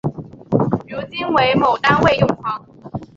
如今为某单位用房。